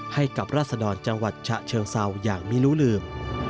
ให้กับราษดรจังหวัดชะเชิงเซาอย่างมิลุลืม